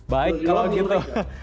baik kalau gitu